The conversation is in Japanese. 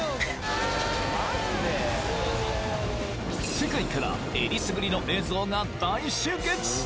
世界からえりすぐりの映像が大集結！